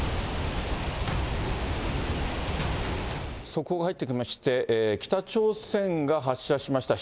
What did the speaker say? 速報が入ってきまして、北朝鮮が発射しました